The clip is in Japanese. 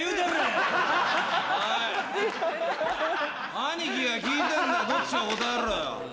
兄貴が聞いてんだどっちか答えろよ。